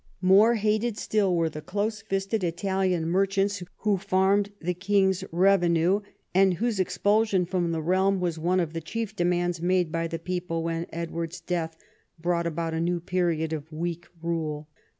More hated still were the close fisted Italian merchants who farmed the king's revenue, and whose expulsion from the realm was one of the chief demands made by the peoj)le, when Edward's death brought about a new period of weak rule.